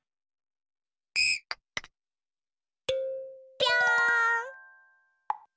ぴょん！